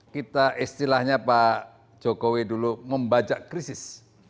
kita istilahnya pak jokowi dulu membajak krisis